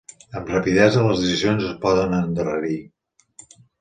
Amb rapidesa, les decisions es poden endarrerir.